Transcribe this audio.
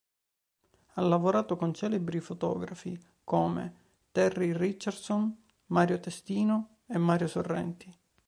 Ha lavorato con celebri fotografi come Terry Richardson, Mario Testino e Mario Sorrenti.